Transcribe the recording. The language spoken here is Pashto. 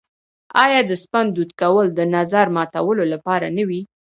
آیا د سپند دود کول د نظر ماتولو لپاره نه وي؟